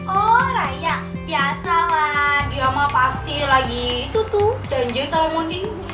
oh raya biasalah di lama pasti lagi itu tuh janjin sama mondi